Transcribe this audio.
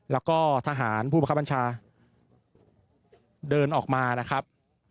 แล้วก็ทหารภูมิครับประชาเดินออกมานะครับ